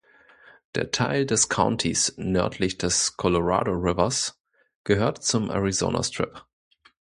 Der Teil des Countys nördlich des Colorado Rivers gehört zum Arizona Strip.